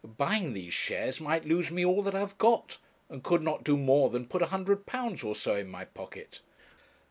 'Buying these shares might lose me all that I have got, and could not do more than put a hundred pounds or so in my pocket.'